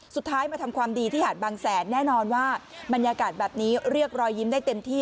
สุดท้ายมาทำความดีที่หาดบางแสนแน่นอนว่าบรรยากาศแบบนี้เรียกรอยยิ้มได้เต็มที่